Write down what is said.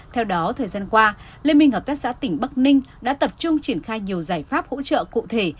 theo đó thời gian qua liên minh hợp tác xã tỉnh bắc ninh đã tập trung triển khai nhiều giải pháp hỗ trợ cụ thể